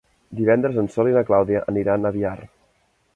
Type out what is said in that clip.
Divendres en Sol i na Clàudia aniran a Biar.